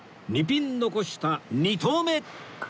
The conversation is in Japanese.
２ピン残した２投目